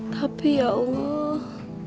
tapi ya allah